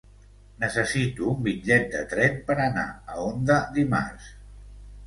Necessito un bitllet de tren per anar a Onda dimarts.